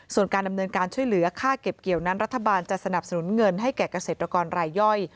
ส่วนการดำเนินการช่วยเหลือค่าเก็บเกี่ยวนั้นรัฐบาลจะสนับสนุนเงินให้แก่เกษตรกรรายย่อย